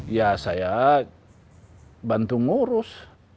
ya saya bantu ngurus